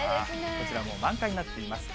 こちらもう満開になっています。